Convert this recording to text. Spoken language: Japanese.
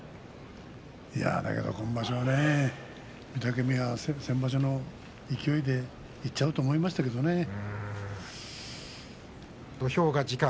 いや、だけど今場所は御嶽海は先場所の勢いでいっちゃうと思いましたけどね。